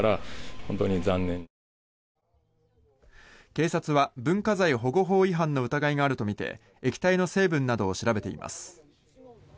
警察は文化財保護法違反の疑いがあるとみて液体の成分などを調べています。